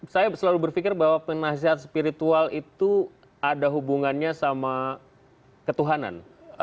saya selalu berpikir bahwa penasihat spiritual itu ada hubungannya sama ketuhanan